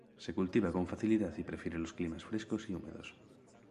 Se cultiva con facilidad y prefiere los climas frescos y húmedos.